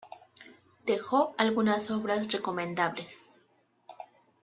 Dejó algunas obras recomendables.